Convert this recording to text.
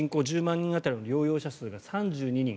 人当たりの療養者数が３２人。